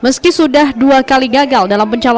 meski sudah dua kali gagal dalam pencalonan